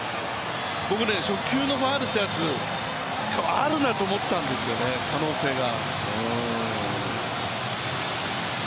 僕ね、初球のファウルしたやつ、あるなと思ったんですよね、可能性が。